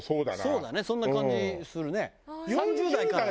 そうだねそんな感じするね。